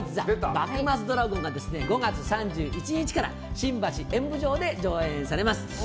「幕末ドラゴン」が５月３１日から新橋演舞場で上演されます。